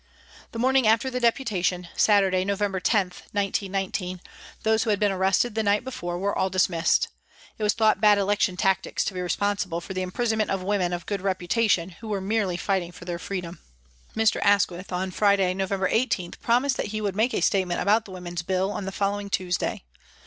The morning after the Deputation, Saturday, November 19, 1910, those who had been arrested the night before were all dismissed ; it was thought bad election tactics to be responsible for the imprison ment of women of good reputation who were merely fighting for their freedom. Mr. Asquith on Friday, November 18, promised that he would make a statement about the Women's Bill on the following Tuesday.